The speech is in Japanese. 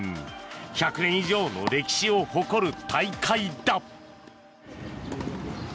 １００年以上の歴史を誇る大会だ。